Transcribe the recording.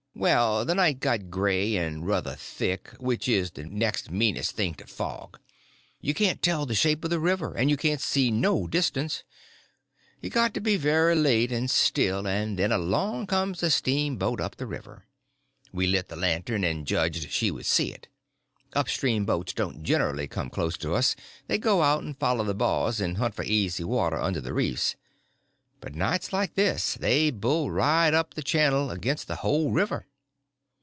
Well, the night got gray and ruther thick, which is the next meanest thing to fog. You can't tell the shape of the river, and you can't see no distance. It got to be very late and still, and then along comes a steamboat up the river. We lit the lantern, and judged she would see it. Up stream boats didn't generly come close to us; they go out and follow the bars and hunt for easy water under the reefs; but nights like this they bull right up the channel against the whole river.